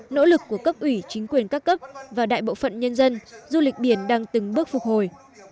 nỗ lực của cấp ủy chính quyền các cấp và đại bộ phận nhân dân du lịch biển đang từng bước phục hồi